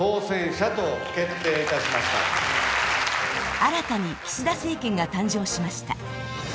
新たに岸田政権が誕生しました。